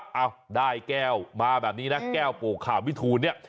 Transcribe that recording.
บอกว่าอ้าวได้แก้วมาแบบนี้นะแก้วโปร่งขามวิธูเนี่ย